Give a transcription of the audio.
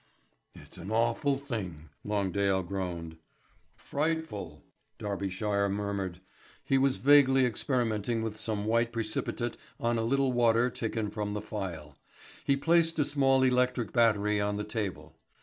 "It's an awful thing," Longdale groaned. "Frightful," Darbyshire murmured. He was vaguely experimenting with some white precipitate on a little water taken from the phial. He placed a small electric battery on the table.